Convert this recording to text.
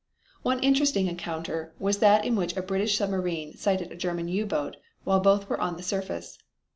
One interesting encounter was that in which a British submarine sighted a German U boat, while both were on the surface.